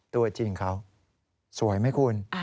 ตัวจริงเขาสวยไหมคุณ